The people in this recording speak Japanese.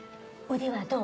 腕はどう？